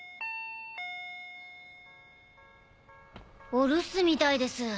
お留守みたいです。